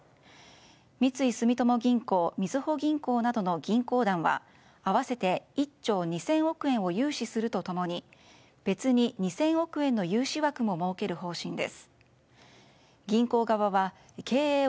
三井住友銀行、みずほ銀行などの銀行団は合わせて１兆２０００億円を融資すると共に別に２０００億円の融資枠も設ける方針です。